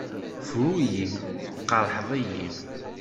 Bru-iyi! Tqerḥed-iyi!